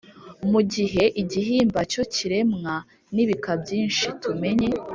mu gihe igihimba cyo kiremwa n’ibika byinshi. Tumenye